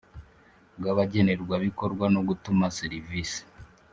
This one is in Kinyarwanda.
bw abagenerwabikorwa no gutuma serivisi